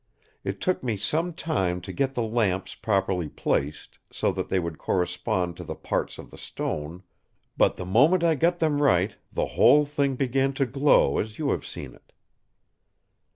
It took me some time to get the lamps properly placed, so that they would correspond to the parts of the stone, but the moment I got them right the whole thing began to glow as you have seen it.